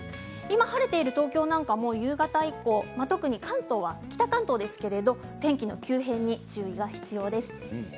今、晴れている東京なんかも夕方以降特に関東は北関東ですけども天気の急変に注意が必要です。